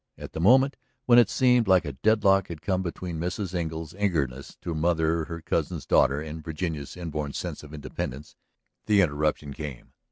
At the moment when it seemed that a deadlock had come between Mrs. Engle's eagerness to mother her cousin's daughter and Virginia's inborn sense of independence, the interruption came.